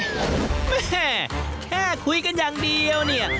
แม่แค่คุยกันอย่างเดียวเนี่ย